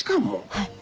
はい。